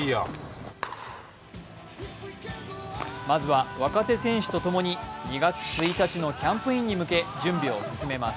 まずは若手選手とともに２月１日のキャンプインに向け準備を進めます。